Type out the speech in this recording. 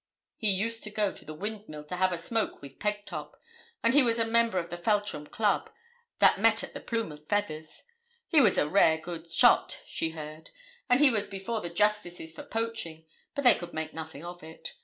He used to go to the Windmill to have 'a smoke with Pegtop;' and he was a member of the Feltram Club, that met at the 'Plume o' Feathers.' He was 'a rare good shot,' she heard; and 'he was before the justices for poaching, but they could make nothing of it.'